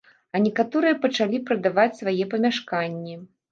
А некаторыя пачалі прадаваць свае памяшканні.